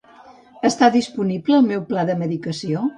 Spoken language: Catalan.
Està disponible el meu pla de medicació?